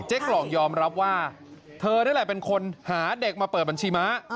กล่องยอมรับว่าเธอนี่แหละเป็นคนหาเด็กมาเปิดบัญชีม้า